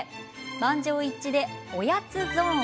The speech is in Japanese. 満場一致で、おやつゾーン。